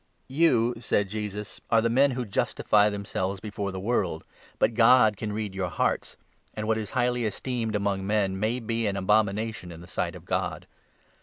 "You," said Jesus, "are the men who justify themselves 15 before the world, but God can read your hearts ; and what is highly esteemed among men may be an abomination in the sight of God.